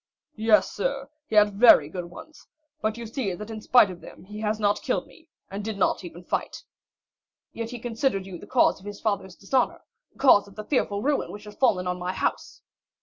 "Yes, sir, he had very good ones; but you see that in spite of them he has not killed me, and did not even fight." "Yet he considered you the cause of his father's dishonor, the cause of the fearful ruin which has fallen on my house."